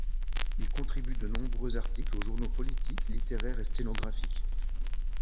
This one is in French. Il contribue de nombreux articles aux journaux politiques, littéraires et sténographiques.